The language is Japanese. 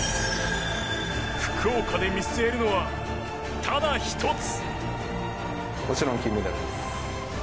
福岡で見据えるのはただ１つ。